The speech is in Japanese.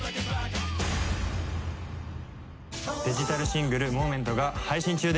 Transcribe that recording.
デジタルシングル『Ｍｏｍｅｎｔ』が配信中です。